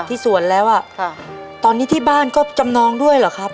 ที่สวนแล้วอ่ะค่ะตอนนี้ที่บ้านก็จำนองด้วยเหรอครับ